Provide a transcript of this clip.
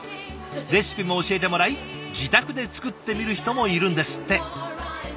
レシピも教えてもらい自宅で作ってみる人もいるんですって。